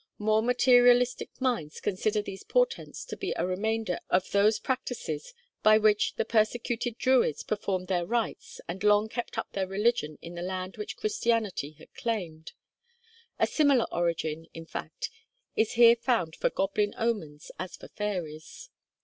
More materialistic minds consider these portents to be a remainder of those practices by which the persecuted Druids performed their rites and long kept up their religion in the land which Christianity had claimed: a similar origin, in fact, is here found for goblin omens as for fairies.